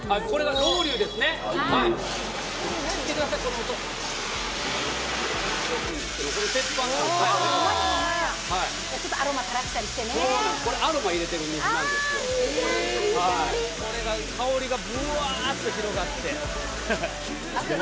これが香りがぶわっと広がって。